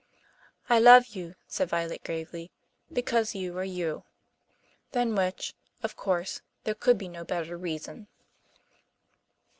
"I love you," said Violet gravely, "because you are you." Than which, of course, there could be no better reason.